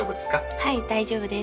はい大丈夫です。